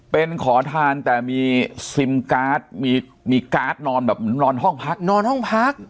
เป็นขอทานแต่มีซิมการ์ดมีการ์ดนอนแบบเหมือนนอนห้องพักนอนห้องพัก